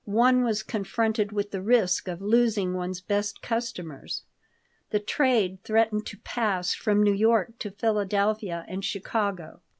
One was confronted with the risk of losing one's best customers. The trade threatened to pass from New York to Philadelphia and Chicago.